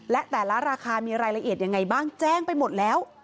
และแต่ละราคามีรายละเอียดยังไงบ้างแจ้งไปหมดแล้ว